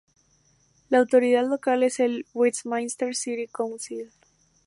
La autoridad local es el Westminster City Council.